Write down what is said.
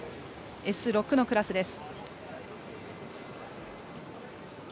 Ｓ６のクラスです。